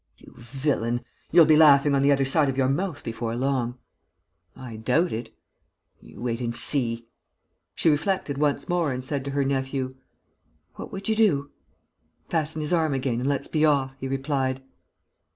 "You villain!... You'll be laughing on the other side of your mouth before long." "I doubt it." "You wait and see." She reflected once more and said to her nephew: "What would you do?" "Fasten his arm again and let's be off," he replied.